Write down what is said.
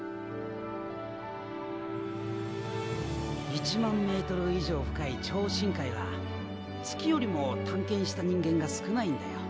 １万メートル以上深い超深海は月よりも探検した人間が少ないんだよ。